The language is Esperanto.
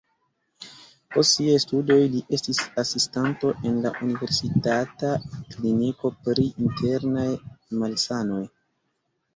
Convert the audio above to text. Post siaj studoj li estis asistanto en la universitata kliniko pri internaj malsanoj.